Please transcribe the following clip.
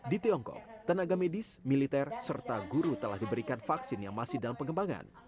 di tiongkok tenaga medis militer serta guru telah diberikan vaksin yang masih dalam pengembangan